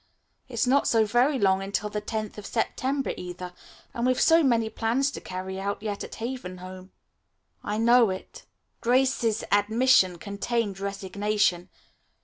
It's not so very long until the tenth of September, either, and we've so many plans to carry out yet at Haven Home." "I know it." Grace's admission contained resignation.